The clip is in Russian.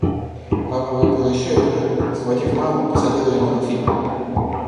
Папа выпил еще и вдруг, схватив маму, посадил ее на буфет.